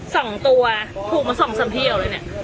สองตัวถูกมาสองสามเหี่ยวเลยเนี่ย